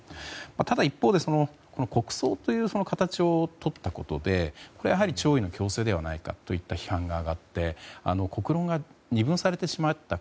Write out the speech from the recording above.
ただ、一方で国葬という形をとったことでこれは弔意の強制ではないかといった批判が上がって国論が二分されてしまった。